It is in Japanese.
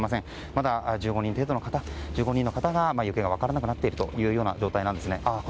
まだ１５人の方の行方が分からなくなっているというような状態なんですね。